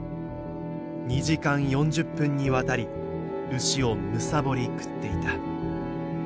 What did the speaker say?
２時間４０分にわたり牛をむさぼり食っていた。